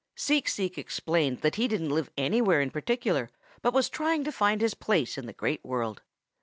"Seek Seek explained that he didn't live anywhere in particular but was trying to find his place in the Great World.